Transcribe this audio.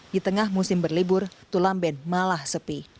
di tengah musim berlibur tulamben malah sepi